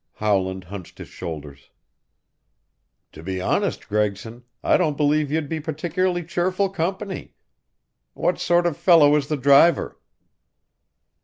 Howland hunched his shoulders. "To be honest, Gregson, I don't believe you'd be particularly cheerful company. What sort of fellow is the driver?"